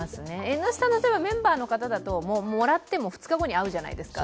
「Ｎスタ」のメンバーの方だともらっても２日後に会うじゃないですか。